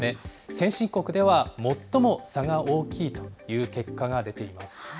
先進国では最も差が大きいという結果が出ています。